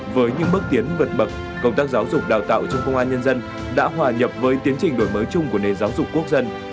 với những bước tiến vượt bậc công tác giáo dục đào tạo trong công an nhân dân đã hòa nhập với tiến trình đổi mới chung của nền giáo dục quốc dân